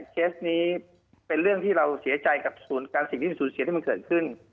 เคสนี้เป็นเรื่องที่เราเสียใจกับสิ่งที่สูญเสียที่มันเกิดขึ้น